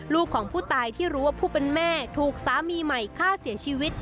ของผู้ตายที่รู้ว่าผู้เป็นแม่ถูกสามีใหม่ฆ่าเสียชีวิต